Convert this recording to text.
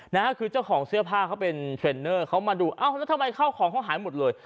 นะฮะคือเจ้าของเสื้อผ้าเขาเป็นเทรนเนอร์เขามาดูเอ้าแล้วทำไมข้าวของเขาหายหมดเลย